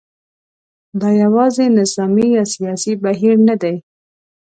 دا یوازې نظامي یا سیاسي بهیر نه دی.